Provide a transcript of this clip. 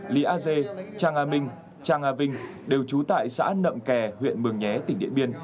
lý a dê trang a minh chang a vinh đều trú tại xã nậm kè huyện mường nhé tỉnh điện biên